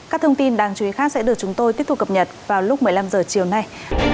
các thông tin đáng chú ý khác sẽ được chúng tôi tiếp tục cập nhật vào lúc một mươi năm h chiều nay